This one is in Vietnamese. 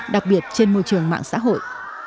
đặc biệt trên môi trường mạng xã hội